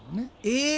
え！